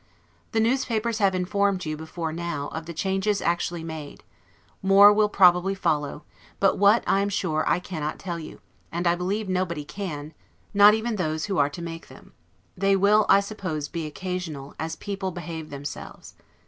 The newspapers have informed you, before now, of the changes actually made; more will probably follow, but what, I am sure, I cannot tell you; and I believe nobody can, not even those who are to make them: they will, I suppose, be occasional, as people behave themselves.